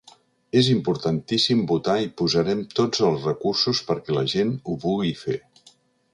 És importantíssim votar i posarem tots els recursos perquè la gent ho pugui fer.